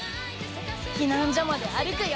避難所まで歩くよ。